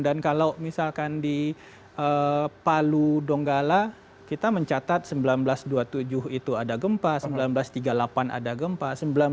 dan kalau misalkan di palu donggala kita mencatat seribu sembilan ratus dua puluh tujuh itu ada gempa seribu sembilan ratus tiga puluh delapan ada gempa